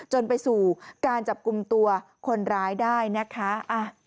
จนไปสู่การจับกลุ่มตัวคนร้ายได้นะคะ